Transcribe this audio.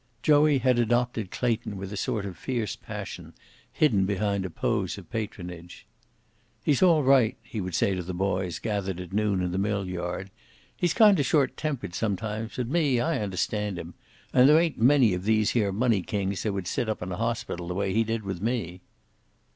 Joey had adopted Clayton with a sort of fierce passion, hidden behind a pose of patronage. "He's all right," he would say to the boys gathered at noon in the mill yard. "He's kinda short tempered sometimes, but me, I understand him. And there ain't many of these here money kings that would sit up in a hospital the way he did with me."